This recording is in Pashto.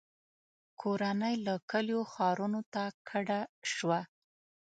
• کورنۍ له کلیو ښارونو ته کډه شوه.